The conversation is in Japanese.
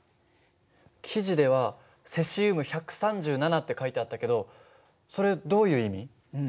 記事では「セシウム１３７」って書いてあったけどそれどういう意味？